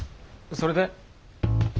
それで？